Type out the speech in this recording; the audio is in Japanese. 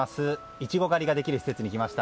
イチゴ狩りができる施設に来ました。